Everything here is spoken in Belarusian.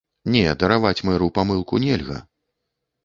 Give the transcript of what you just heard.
Не, дараваць мэру памылку нельга.